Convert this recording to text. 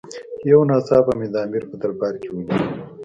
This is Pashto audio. یو ناڅاپه مې د امیر په دربار کې ولید.